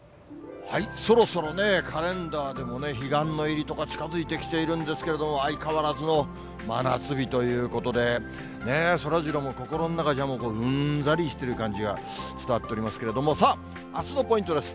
そろそろね、カレンダーでもね、彼岸の入りとか、近づいてきているんですけども、相変わらずの真夏日ということで、そらジローも心の中じゃ、うんざりしてる感じが伝わっておりますけれども、さあ、あすのポイントです。